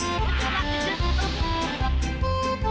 ayo kejar don